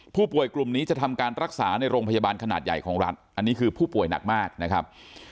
ผู้ป่วยกลุ่มนี้จะทำการรักษาในโรงพยาบาลขนาดใหญ่ของรัฐอันนี้คือผู้ป่วยหนักมากนะครับ